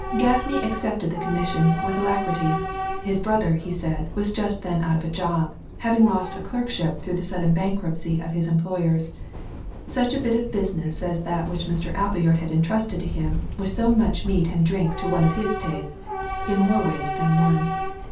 Gaffney accepted the commission with alacrity; his brother, he said, was just then out of a job, having lost a clerkship through the sudden bankruptcy of his employers; such a bit of business as that which Mr. Appleyard had entrusted to him was so much meat and drink to one of his tastes in more ways than one.